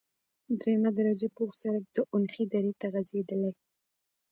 دریمه درجه پوخ سرک د اونخې درې ته غزیدلی،